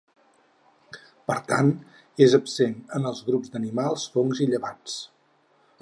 Per tant, és absent en els grups d'animals, fongs i llevats.